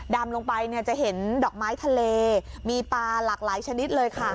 ดำลงไปเนี่ยจะเห็นดอกไม้ทะเลมีปลาหลากหลายชนิดเลยค่ะ